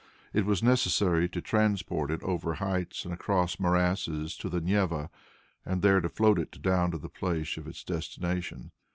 It was necessary to transport it over heights and across morasses to the Neva, and there to float it down to the place of its destination.